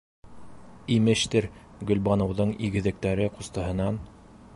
Имештер, Гөлбаныуҙың игеҙәктәре ҡустыһынан...